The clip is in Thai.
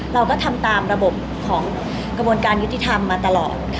เราก็ทำตามระบบของกระบวนการยุติธรรมมาตลอด